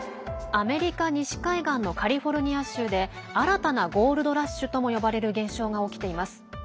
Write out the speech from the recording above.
アメリカ西海岸のカリフォルニア州で新たなゴールドラッシュとも呼ばれる現象が起きています。